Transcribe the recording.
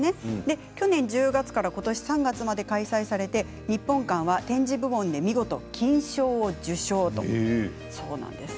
去年１０月からことし３月まで開催されて日本館は展示部門で見事金賞を受賞したんです。